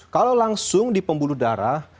kalau langsung di pembuluh darah